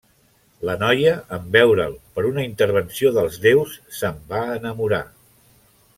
La noia, en veure'l, per una intervenció dels déus, se'n va enamorar.